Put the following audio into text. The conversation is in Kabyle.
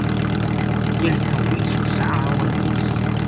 Yal tagnit tesɛa awalen-is.